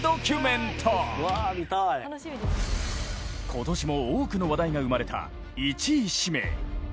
今年も多くの話題が生まれた１位指名。